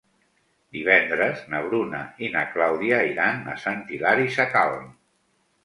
Divendres na Bruna i na Clàudia iran a Sant Hilari Sacalm.